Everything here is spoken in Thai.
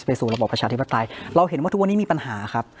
สู่ระบอบประชาธิปไตยเราเห็นว่าทุกวันนี้มีปัญหาครับ